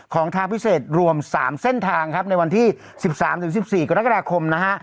ของทางพิเศษรวม๓เส้นทางครับในวันที่๑๓๑๔กรกฎาคมนะฮะ